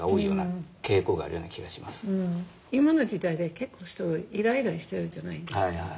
今の時代で結構人いらいらしてるじゃないですか。